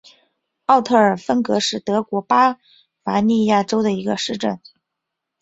奥特尔芬格是德国巴伐利亚州的一个市镇。